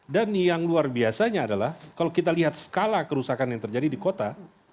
dan yang luar biasanya adalah kalau kita lihat skala kerusakan yang terjadi di kota